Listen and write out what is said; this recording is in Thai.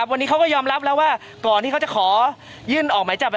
วันนี้เขาก็ยอมรับแล้วว่าก่อนที่เขาจะขอยื่นออกหมายจับ